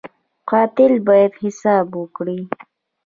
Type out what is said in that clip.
قاتل باید حساب ورکړي